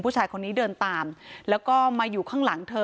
ผู้ชายคนนี้เดินตามแล้วก็มาอยู่ข้างหลังเธอ